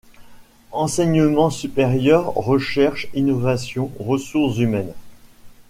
Enseignement supérieur-Recherche-Innovation-Ressources humaines.